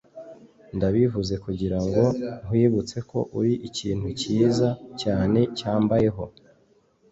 ndabivuze kugira ngo nkwibutse ko uri ikintu cyiza cyane cyambayeho